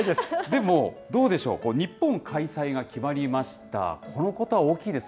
でも、どうでしょう、日本開催が決まりました。